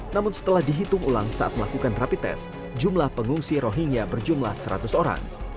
namun setelah dihitung ulang saat melakukan rapi tes jumlah pengungsi rohingya berjumlah seratus orang